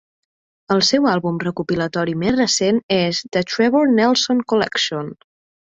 El seu àlbum recopilatori més recent és "The Trevor Nelson Collection".